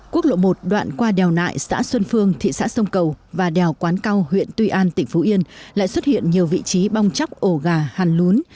quốc lộ một đoạn qua đèo nại xã xuân phương thị xã sông cầu và đèo quán cao huyện tuy an tỉnh phú yên lại xuất hiện nhiều vị trí bong chóc ổ gà hẳn lún